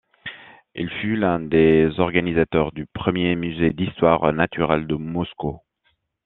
Il fut l'un des organisateurs du premier musée d'histoire naturelle de Moscou.